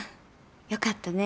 よかったね。